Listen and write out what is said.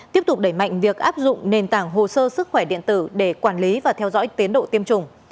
tiếp tục đẩy mạnh việc áp dụng nền tảng hồ sơ sức khỏe điện tử để quản lý và theo dõi tiến độ tiêm chủng